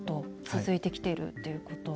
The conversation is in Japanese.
続いてきているということ。